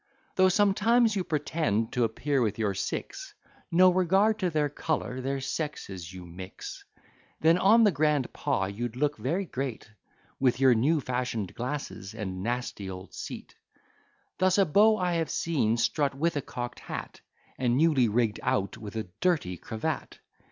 Though sometimes you pretend to appear with your six, No regard to their colour, their sexes you mix: Then on the grand paw you'd look very great, With your new fashion'd glasses, and nasty old seat. Thus a beau I have seen strut with a cock'd hat, And newly rigg'd out, with a dirty cravat.